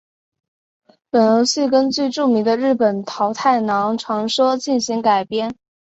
本游戏根据著名的日本桃太郎传说进行改编。